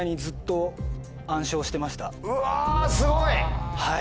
うわすごい！